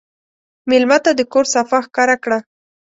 مېلمه ته د کور صفا ښکاره کړه.